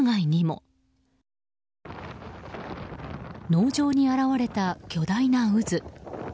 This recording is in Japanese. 農場に現れた巨大な渦。